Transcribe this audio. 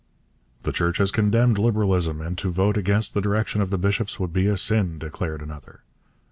'The Church has condemned Liberalism, and to vote against the direction of the bishops would be sin,' declared another.